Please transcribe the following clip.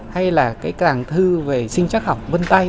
hay là cái tràng thư về sinh chất học vân tay